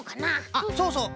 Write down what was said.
あっそうそう